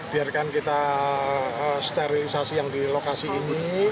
biarkan kita sterilisasi yang di lokasi ini